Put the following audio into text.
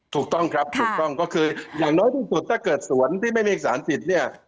ถูกต้องครับถูกต้องก็คืออย่างน้อยบุตรถ้าเกิดสวนที่ไม่มีสารผิดเนี่ย